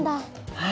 はい。